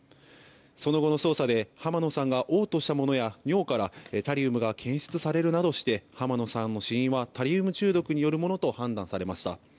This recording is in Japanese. その後の捜査で浜野さんが嘔吐したものや尿からタリウムが検出されるなどして浜野さんの死因はタリウム中毒によるものと判断されました。